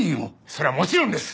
そりゃもちろんです！